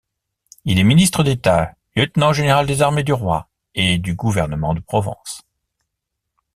Il est ministre d'État, lieutenant-général des armées du roi et du Gouvernement de Provence.